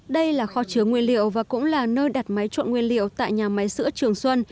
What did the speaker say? đây là kho chứa nguyên liệu và cũng là nơi đặt máy trộn nguyên liệu tại nhà máy sữa trường xuân